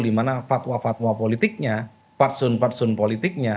dimana fatwa fatwa politiknya fatsun partsun politiknya